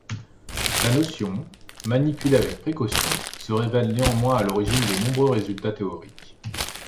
La notion, manipulée avec précaution, se révèle néanmoins à l'origine de nombreux résultats théoriques.